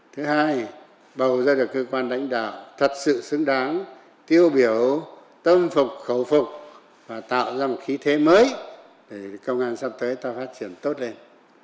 thứ hai bầu ra được cơ quan đánh đạo thật sự xứng đáng tiêu biểu tâm phục khẩu phục và tạo ra một khí thế mới để công an sắp tới ta phát triển tốt lên